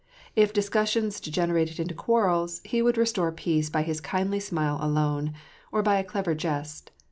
If discussions degenerated into quarrels, he would restore peace by his kindly smile alone, or by a clever jest.